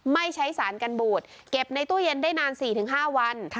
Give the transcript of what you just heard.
ไม่ใช้สารกันบูดเก็บในตู้เย็นได้นาน๔๕วัน